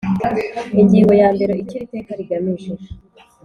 Ingingo ya mbere Icyo iri iteka rigamije